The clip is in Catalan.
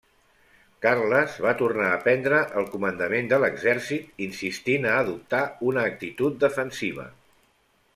Carles va tornar a prendre el comandament de l'exèrcit, insistint a adoptar una actitud defensiva.